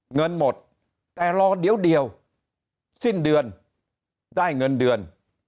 เงินหมดแต่รอเดี๋ยวสิ้นเดือนได้เงินเดือน